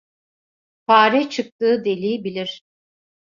Fare, çıktığı deliği bilir.